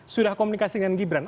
sudah komunikasi dengan gibran